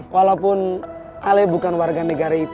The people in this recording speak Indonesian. walaupun ale bukan warga negara itu